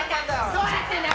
どうなってんだ！